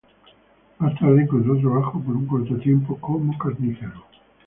Más tarde, encontró trabajo por un corto tiempo como carnicero.